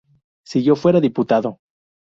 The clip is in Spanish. Si yo fuera diputado...